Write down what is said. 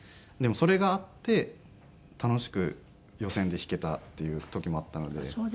でもそれがあって楽しく予選で弾けたっていう時もあったので。